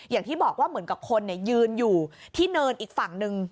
อย่างที่บอกว่าเหมือนกับคนยืนอยู่ที่เนินอีกฝั่งหนึ่ง